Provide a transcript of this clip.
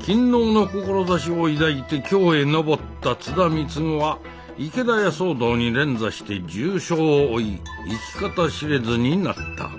勤皇の志を抱いて京へ上った津田貢は池田屋騒動に連座して重傷を負い行き方知れずになった。